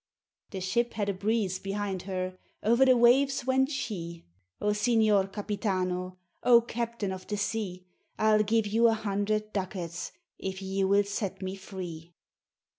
The ship had a breeze behind her, Over the waves went she! "O Signor Capitano, O Captain of the Sea! I'll give you a hundred ducats, If you will set me free!"